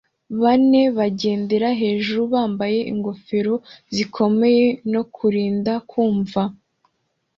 bane bagendera hejuru bambaye ingofero zikomeye no kurinda kumva